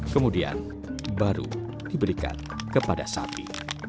kemudian baru diberikan kepada sapi